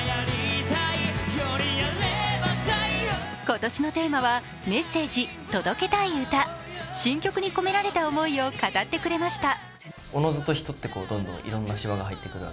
今年のテーマは「メッセージ・届けたい歌」新曲に込められた思いを語ってくれました。